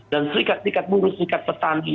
dan serikat serikat buru serikat pertanian